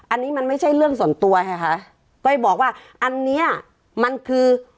อันนี้มันไม่ใช่เรื่องส่วนตัวไงคะก้อยบอกว่าอันเนี้ยมันคือ